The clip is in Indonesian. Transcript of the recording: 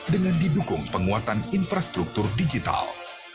dengan didukung penguatan infrastruktur digital